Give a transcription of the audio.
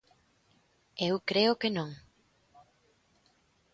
Eu creo que non.